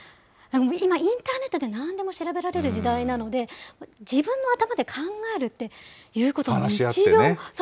今、インターネットでなんでも調べられる時代なので、自分の頭で考えるっていうこと、話し合ってね。